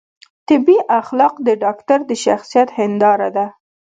طبي اخلاق د ډاکتر د شخصیت هنداره ده.